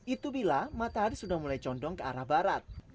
itu bila matahari sudah mulai condong ke arah barat